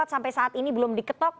sampai saat ini belum diketok